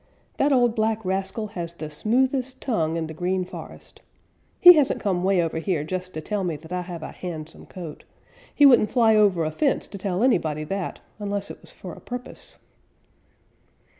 That old black rascal has the smoothest tongue in the Green Forest. He hasn't come 'way over here just to tell me that I have a handsome coat. He wouldn't fly over a fence to tell anybody that unless it was for a purpose."